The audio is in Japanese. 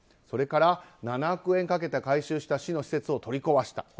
それから７億円かけて改修した市の施設を取り壊した。